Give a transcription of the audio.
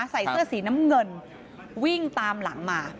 ใส่เสื้อสีน้ำเงินวิ่งตามหลังมา